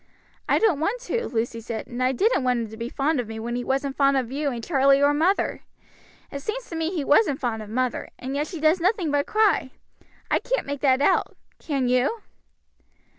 "I don't want to," Lucy said, "and I didn't want him to be fond of me when he wasn't fond of you and Charlie or mother. It seems to me he wasn't fond of mother, and yet she does nothing but cry; I can't make that out, can you?"